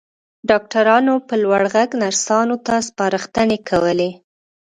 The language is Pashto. ډاکټرانو په لوړ غږ نرسانو ته سپارښتنې کولې.